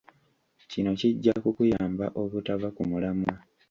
Kino kijja kukuyamba obutava ku mulamwa.